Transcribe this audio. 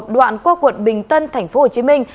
đoạn qua quận bình tân thành phố hồ chí minh